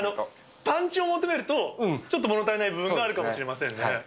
パンチを求めると、ちょっと物足りない部分があるかもしれませんね。